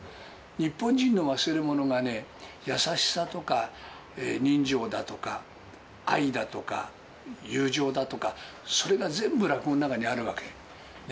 日本人の忘れ物がね、優しさとか人情だとか、愛だとか、友情だとか、それが全部落語の中にあるわけ。